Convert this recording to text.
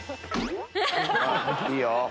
いいよ。